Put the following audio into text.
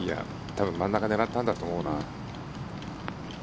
多分真ん中狙ったんだと思うな。